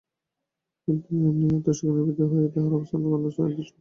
কিন্তু আমি আত্মসুখে নির্বৃত হইয়া তাহাদের অবস্থার প্রতি ক্ষণমাত্রও দৃষ্টিপাত করি না।